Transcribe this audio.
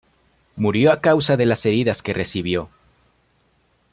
Murió a causa de las heridas que recibió.